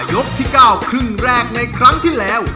ที่๙ครึ่งแรกในครั้งที่แล้ว